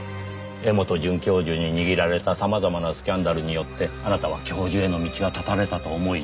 柄本准教授に握られたさまざまなスキャンダルによってあなたは教授への道が絶たれたと思い